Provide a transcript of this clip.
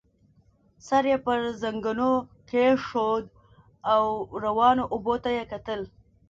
سر يې پر زنګنو کېښود او روانو اوبو ته يې کتل.